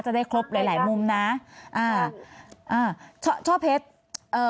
ได้ครบหลายหลายมุมนะอ่าอ่าช่อเพชรเอ่อ